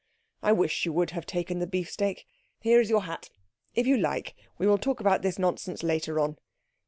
I wish you would have taken the beefsteak here is your hat. If you like, we will talk about this nonsense later on.